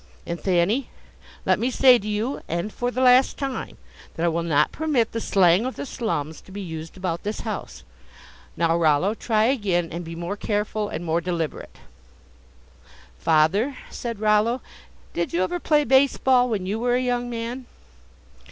And Thanny, let me say to you, and for the last time, that I will not permit the slang of the slums to be used about this house. Now, Rollo, try again, and be more careful and more deliberate." "Father," said Rollo, "did you ever play base ball when you were a young man?"